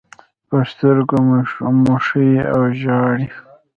پر سترګو موښي او ژاړي.